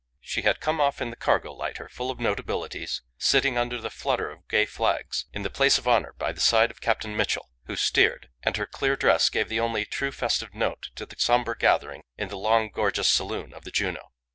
She had come off in the cargo lighter, full of notabilities, sitting under the flutter of gay flags, in the place of honour by the side of Captain Mitchell, who steered, and her clear dress gave the only truly festive note to the sombre gathering in the long, gorgeous saloon of the Juno.